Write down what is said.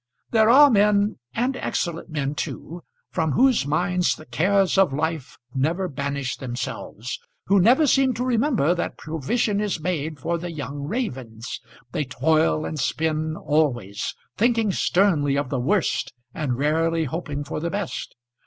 There are men, and excellent men too, from whose minds the cares of life never banish themselves, who never seem to remember that provision is made for the young ravens. They toil and spin always, thinking sternly of the worst and rarely hoping for the best.